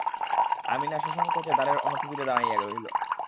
আমিনা সসংকোচে দ্বারের অনতিদূরে দাঁড়াইয়া রহিল।